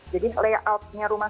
jadi layoutnya rumah sakit